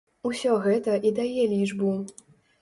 Усё гэта і дае лічбу.